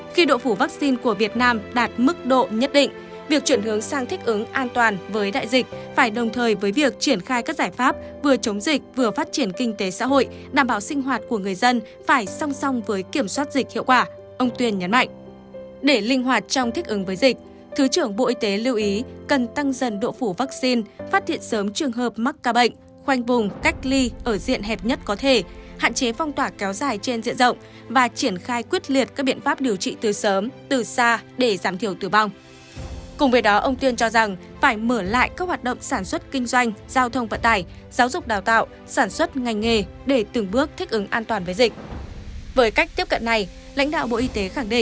khi độ phủ vắc xin của việt nam đạt mức độ nhất định việc chuyển hướng sang thích ứng an toàn với đại dịch phải đồng thời với việc triển khai các giải pháp vừa chống dịch vừa phát triển kinh tế xã hội đảm bảo sinh hoạt của người dân phải song song với kiểm soát dịch vừa phát triển kinh tế xã hội đảm bảo sinh hoạt của người dân phải song song với kiểm soát dịch vừa phát triển kinh tế xã hội